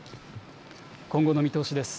今後の見通しです。